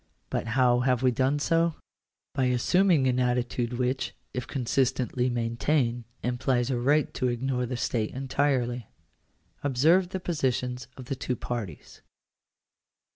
But how have we done so ? By assuming an attitude which, if con sistently maintained, implies a right to ignore the state entirely. Observe the positions of the two parties.